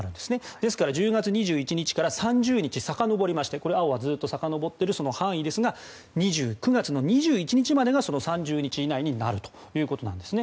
ですから１０月２１日から３０日さかのぼりまして青はずっとさかのぼっている範囲ですが９月２１日までがその３０日以内になるということなんですね。